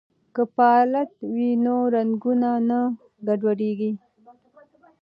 که پالت وي نو رنګونه نه ګډوډیږي.